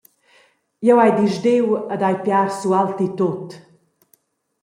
Jeu hai disdiu ed hai piars ualti tut.